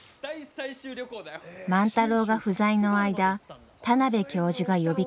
万太郎が不在の間田邊教授が呼びかけ